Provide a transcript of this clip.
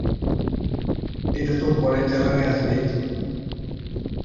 এটা তো পরের চালানে আসবে।